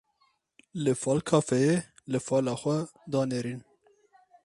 Li Fal kafeyê li fala xwe da nêrîn.